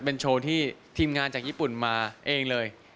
เป็นโชว์ที่ทีมงานจากญี่ปุ่นมาเองเลย